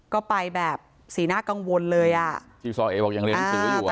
ก็ไปแบบสีหน้ากังวลเลยอ่ะที่ซอเอบอกยังเรียนหนังสืออยู่อ่ะ